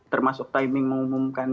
termasuk timing mengumumkan